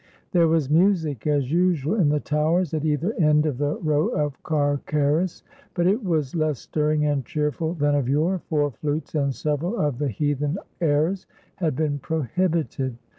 There was music, as usual in the towers at either end of the row of carceres; but it was less stirring and cheer ful than of yore, for flutes and several of the heathen airs had been prohibited.